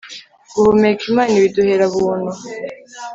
guhumeka imana ibiduhera ubuntu